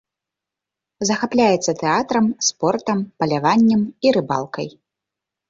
Захапляецца тэатрам, спортам, паляваннем і рыбалкай.